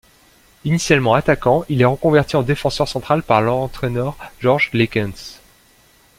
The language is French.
Initialement attaquant, il est reconverti en défenseur central par l'entraîneur Georges Leekens.